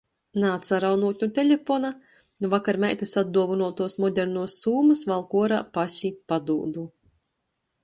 Naatsaraunūt nu telepona, nu vakar meitys atduovynuotuos modernuos sūmys valku uorā pasi, padūdu...